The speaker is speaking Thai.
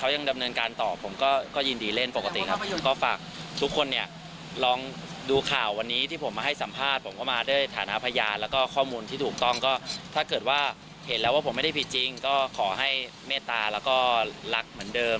เห็นแล้วว่าผมไม่ได้ผิดจริงก็ขอให้เมตตาแล้วก็รักเหมือนเดิม